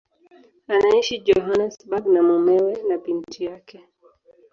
Anaishi Johannesburg na mumewe na binti yake.